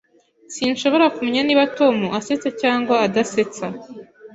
Sinshobora kumenya niba Tom asetsa cyangwa adasetsa.